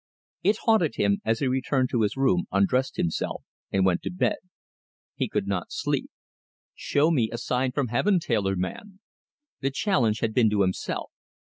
It haunted him as he returned to his room, undressed himself, and went to bed. He could not sleep. "Show me a sign from Heaven, tailor man!" The challenge had been to himself.